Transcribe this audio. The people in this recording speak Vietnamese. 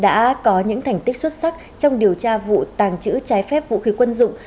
đã có những thành tích xuất sắc trong điều tra vụ tàng trữ trái phép vũ khí quân dụng